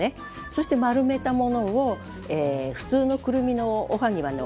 そして丸めたものを普通のくるみのおはぎはね